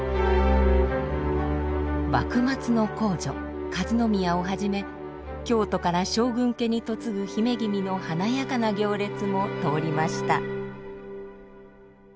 幕末の皇女和宮をはじめ京都から将軍家に嫁ぐ姫君の華やかな行列も通りました。